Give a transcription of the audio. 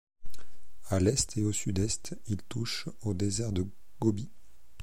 À l'est et au sud-est, ils touchent au désert de Gobi.